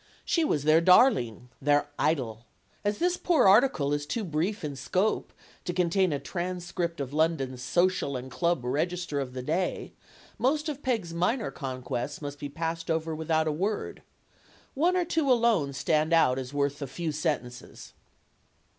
She was their darling, their idol. As this poor article is too brief in scope to contain a transcript of London's Social and Club Register of the day, most of Peg's minor conquests must be passed over without a word. One or two alone stand out as worth a few sentences.